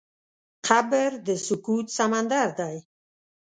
قبر د سکوت سمندر دی.